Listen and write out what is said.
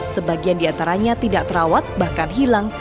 sebagian di antaranya tidak terawat bahkan hilang